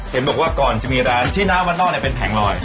เห็นบอกว่าก่อนจะมีร้านที่น้ำวันนอกเป็นแผงลอย